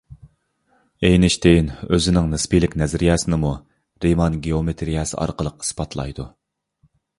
ئېينىشتېين ئۆزىنىڭ نىسپىيلىك نەزەرىيەسىنىمۇ رىمان گېئومېتىرىيەسى ئارقىلىق ئىسپاتلايدۇ.